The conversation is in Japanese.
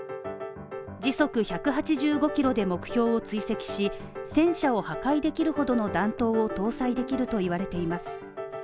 時速１８５キロで目標を追跡し、戦車を破壊できるほどの弾頭を搭載できると言われています。